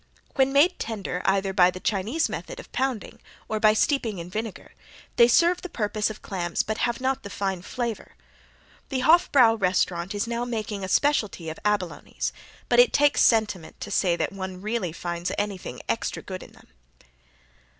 When made tender either by the Chinese method of pounding, or by steeping in vinegar, they serve the purpose of clams but have not the fine flavor. The Hof Brau restaurant is now making a specialty of abalone's, but it takes sentiment to say that one really finds anything extra good in them.